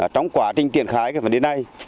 trong quá trình triển khái phần đến nay